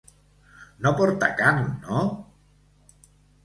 No porta carn, no?